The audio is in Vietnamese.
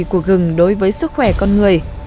của gừng đối với sức khỏe con người